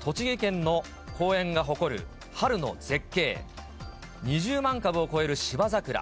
栃木県の公園が誇る春の絶景、２０万株を超える芝桜。